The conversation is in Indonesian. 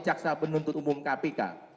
jaksa penuntut umum kpk